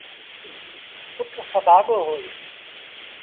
پُٽ سڀآڳو هوئي۔